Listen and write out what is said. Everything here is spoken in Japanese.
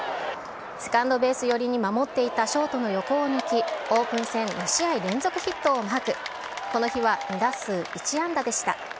セカンドベース寄りに守っていたショートの横を抜き、オープン戦２試合連続ヒットを放ち、この日は２打数１安打でした。